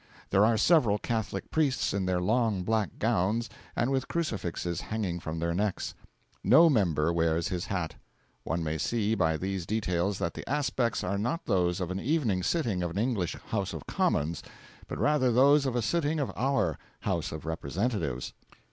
There are several Catholic priests in their long black gowns, and with crucifixes hanging from their necks. No member wears his hat. One may see by these details that the aspects are not those of an evening sitting of an English House of Commons, but rather those of a sitting of our House of Representatives.